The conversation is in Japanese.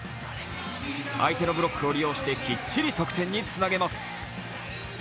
相手のブロックを利用してきっちり得点につなげます。